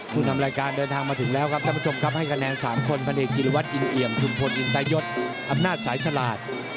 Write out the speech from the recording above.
ผู้นำรายการเดินทางมาถึงแล้วครับท่านผู้ชมครับให้คะแนน๓คนพันเอกจิรวัตรอินเอี่ยมชุมพลอินตายศอำนาจสายฉลาด